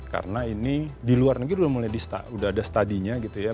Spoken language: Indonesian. karena ini di luar negeri udah mulai udah ada studinya gitu ya